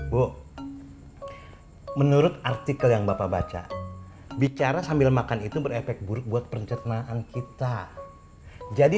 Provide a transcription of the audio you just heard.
bu menurut artikel yang bapak baca bicara sambil makan itu berefek buruk buat pencernaan kita jadi